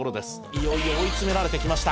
「いよいよ追い詰められてきました」